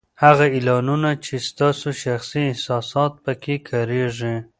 هغه اعلانونه چې ستاسو شخصي احساسات په کې کارېږي